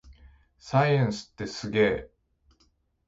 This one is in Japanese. サイエンスってすげぇ